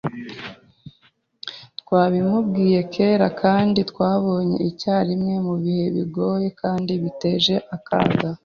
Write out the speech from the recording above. twabimubwiye kera, kandi twabonye icyarimwe mubihe bigoye kandi biteje akaga